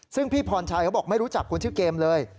ซึ่งพี่พรชัยเขาบอกไม่รู้จักคนชื่อเกมเลย